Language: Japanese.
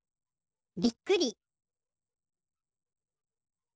びっくり。